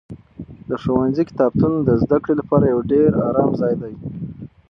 د ښوونځي کتابتون د زده کړې لپاره یو ډېر ارام ځای دی.